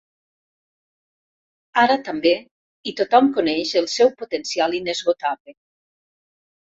Ara també i tothom coneix el seu potencial inesgotable.